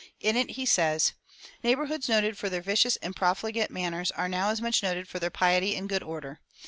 In it he says: "Neighborhoods noted for their vicious and profligate manners are now as much noted for their piety and good order.